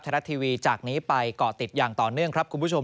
รัฐทีวีจากนี้ไปเกาะติดอย่างต่อเนื่องครับคุณผู้ชม